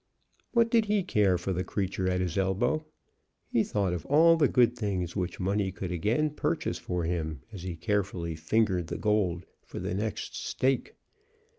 What did he care for the creature at his elbow? He thought of all the good things which money could again purchase for him as he carefully fingered the gold for the next stake.